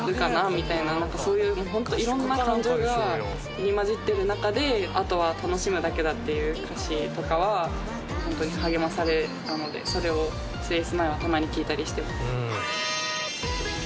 みたいななんかそういうもうホント色んな感情が入り交じってる中で「あとは楽しむだけだ」っていう歌詞とかはホントに励まされたのでそれをレース前はたまに聴いたりしてます。